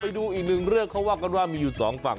ไปดูอีกหนึ่งเรื่องเขาว่ากันว่ามีอยู่สองฝั่ง